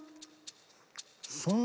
そんな。